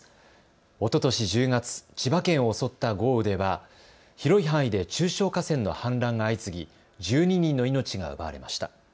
おととし１０月、千葉県を襲った豪雨では広い範囲で中小河川の氾濫が相次ぎ１２人の命が奪われました。